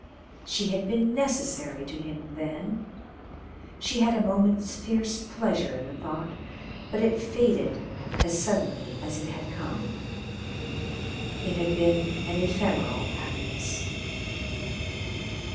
She had been necessary to him then. She had a moment's fierce pleasure in the thought, but it faded as suddenly as it had come. It had been an ephemeral happiness.